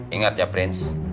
ingat ya prince